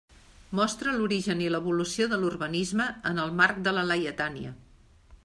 Mostra l'origen i l'evolució de l'urbanisme en el marc de la Laietània.